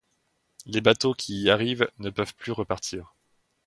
Les bateaux qui y arrivent ne peuvent plus repartir.